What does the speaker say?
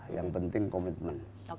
yang penting komitmen